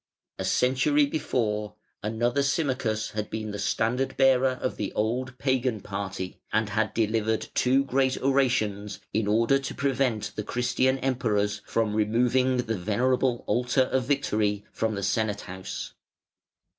A century before, another Symmachus had been the standard bearer of the old Pagan party, and had delivered two great orations in order to prevent the Christian Emperors from removing the venerable Altar of Victory from the Senate house.